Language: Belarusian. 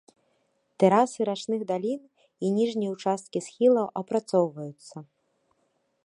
Тэрасы рачных далін і ніжнія ўчасткі схілаў апрацоўваюцца.